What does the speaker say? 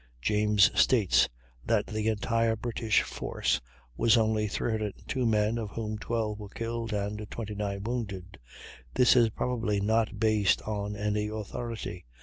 James states that the entire British force was only 302 men of whom 12 were killed and 29 wounded. This is probably not based on any authority.